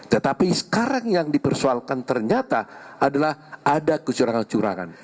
tetapi sekarang yang dipersoalkan ternyata adalah ada kecurangan kecurangan